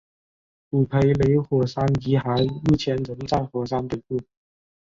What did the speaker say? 古培雷火山遗骸目前仍在火山北部。